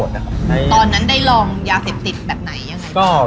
ตอนนั้นได้ลองยาเสพติดแบบไหนยังไง